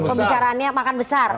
pembicaraannya makan besar